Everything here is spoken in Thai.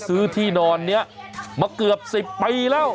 ซื้อที่นอนแบบนี้มาเกือบสิบปีแล้ว